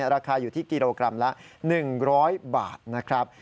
ราคาอยู่ที่กิโลกรัมละ๑๐๐บาทนะครับ